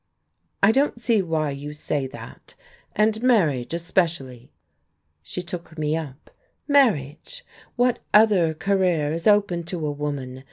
"I don't see why you say that. And marriage especially " She took me up. "Marriage! What other career is open to a woman?